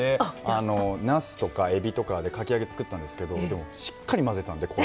なすとかえびとかでかき揚げ作ったんですけどでもしっかり混ぜたんで衣。